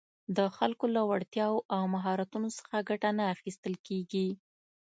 د خلکو له وړتیاوو او مهارتونو څخه ګټه نه اخیستل کېږي